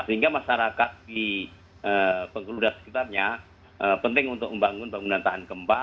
sehingga masyarakat di bengkulu dan sekitarnya penting untuk membangun bangunan tahan gempa